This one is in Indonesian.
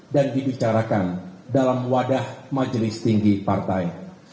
dan dibicarakan dalam wadah majelis tinggi partai